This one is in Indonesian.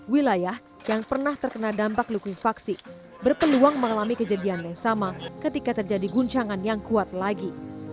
wilayah yang pernah terkena dampak likuifaksi berpeluang mengalami kejadian yang sama ketika terjadi guncangan yang kuat lagi